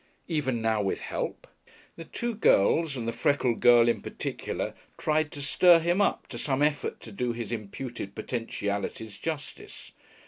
Even now with help...? The two girls, and the freckled girl in particular, tried to "stir him up" to some effort to do his imputed potentialities justice.